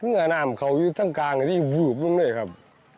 น้ำเขาอยู่ทั้งกลางอยู่รูปด้วยครับ